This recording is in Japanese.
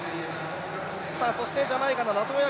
そしてジャマイカのナトーヤ・